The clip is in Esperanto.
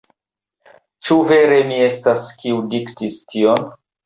Ĉu vere mi estas, kiu diktis tion?